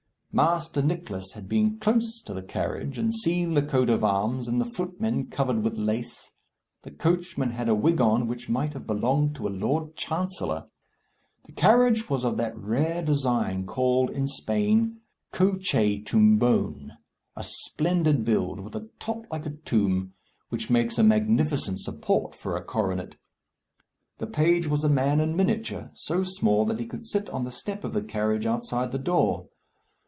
Master Nicless had been close to the carriage, and seen the coat of arms and the footmen covered with lace. The coachman had a wig on which might have belonged to a Lord Chancellor. The carriage was of that rare design called, in Spain, cochetumbon, a splendid build, with a top like a tomb, which makes a magnificent support for a coronet. The page was a man in miniature, so small that he could sit on the step of the carriage outside the door.